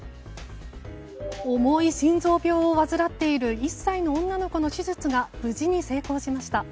重い心臓病を患っている１歳の女の子の手術が無事に成功しました。